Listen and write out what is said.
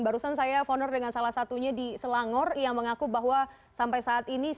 barusan saya founder dengan salah satunya di selangor yang mengaku bahwa sampai saat ini sangat minim sekali terkaitnya